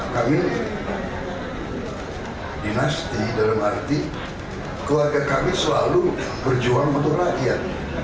kami dinasti dalam arti keluarga kami selalu berjuang untuk rakyat